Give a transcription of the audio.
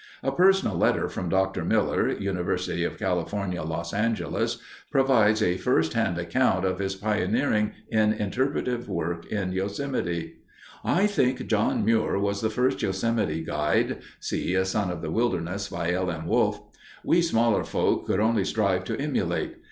A personal letter from Dr. Miller, University of California, Los Angeles, provides a firsthand account of his pioneering in interpretive work in Yosemite: I think John Muir was the first Yosemite guide (see A Son of the Wilderness, by L. M. Wolfe). We smaller folk could only strive to emulate.